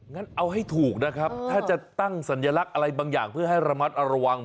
งั้นเอาให้ถูกนะครับถ้าจะตั้งสัญลักษณ์อะไรบางอย่างเพื่อให้ระมัดระวัง